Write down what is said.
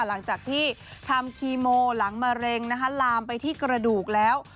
หลังจากที่ทำคีโมหลังมะเร็งลามไปที่กระดูกแล้ว